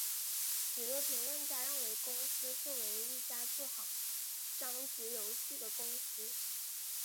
许多评论家认为公司是唯一一家做好章节游戏的公司。